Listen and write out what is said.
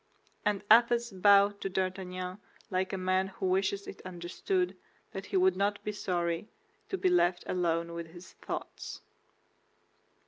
And Athos bowed to D'Artagnan like a man who wishes it understood that he would not be sorry to be left alone with his thoughts.